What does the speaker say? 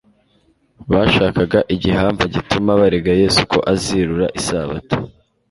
bashakaga igihamva gituma barega Yesu ko azirura isabato.